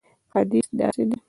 حدیث داسې دی.